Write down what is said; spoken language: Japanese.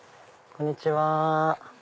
こんにちは。